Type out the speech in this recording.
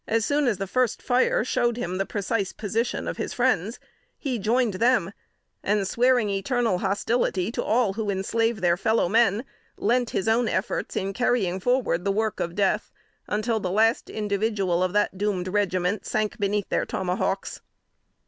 Soon as the first fire showed him the precise position of his friends, he joined them; and swearing eternal hostility to all who enslave their fellow men, lent his own efforts in carrying forward the work of death, until the last individual of that doomed regiment sunk beneath their tomahawks.